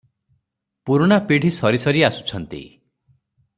ପୁରୁଣା ପିଢ଼ି ସରିସରି ଆସୁଛନ୍ତି ।